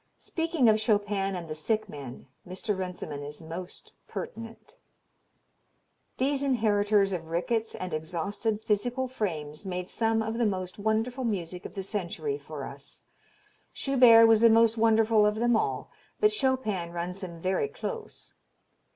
Speaking of "Chopin and the Sick Men" Mr. Runciman is most pertinent: "These inheritors of rickets and exhausted physical frames made some of the most wonderful music of the century for us. Schubert was the most wonderful of them all, but Chopin runs him very close.